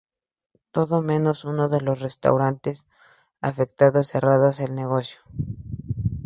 Todos menos uno de los restaurantes afectados cerraron el negocio.